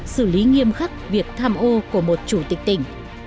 xử lý nghiêm khắc việc tham ô của một chủ tịch tỉnh